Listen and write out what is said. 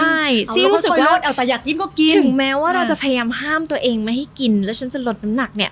ใช่ซีรู้สึกถึงแม้ว่าเราจะพยายามห้ามตัวเองไม่ให้กินแล้วฉันจะลดน้ำหนักเนี่ย